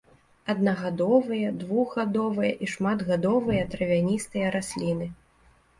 Аднагадовыя, двухгадовыя і шматгадовыя травяністыя расліны.